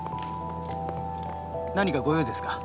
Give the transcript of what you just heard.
何か御用ですか？